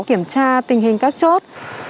kiểm tra tình hình các chốt